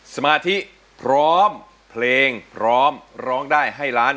สมาธิพร้อมเพลงพร้อมร้องได้ให้ล้าน